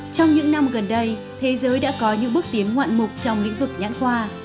trong những năm gần đây thế giới đã có những bước tiến ngoạn mục trong lĩnh vực nhãn khoa